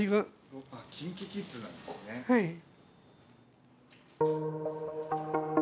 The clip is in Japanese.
はい。